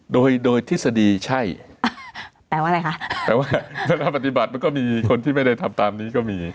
โดยโดยทฤษฎีใช่แปลว่าอะไรคะแปลว่าถ้าปฏิบัติมันก็มีคนที่ไม่ได้ทำตามนี้ก็มี